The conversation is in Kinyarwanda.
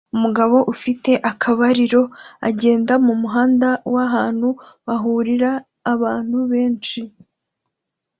Umugabo ufite akabariro agenda mumuhanda w'ahantu hahurira abantu benshi